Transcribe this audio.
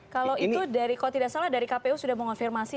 kalau itu dari kalau tidak salah dari kpu sudah mengonfirmasi